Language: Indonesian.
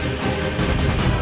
aku akan menang